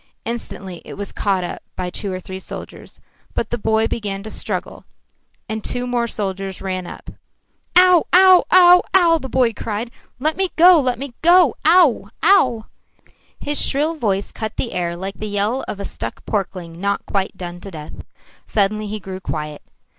Instantly it was caught up by two or three soldiers. But the boy began to struggle, and two more soldiers ran up. "Ow ow ow ow!" the boy cried. "Let me go, let me go! Ow ow!" His shrill voice cut the air like the yell of a stuck porkling not quite done to death. Suddenly he grew quiet.